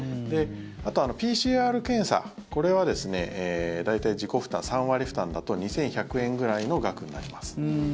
あとＰＣＲ検査、これは大体自己負担、３割負担だと２１００円くらいの額になります。